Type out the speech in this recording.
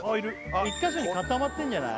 １カ所に固まってんじゃない？